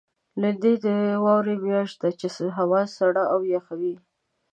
لېندۍ د واورې میاشت ده، چې هوا سړه او یخه وي.